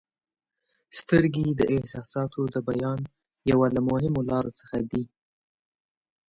• سترګې د احساساتو د بیان یوه له مهمو لارو څخه دي.